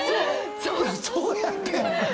そうやって！